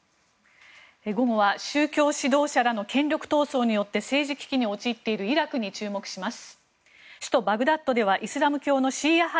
午後は宗教指導者らの権力闘争によって政治危機に陥っているイラクに注目します。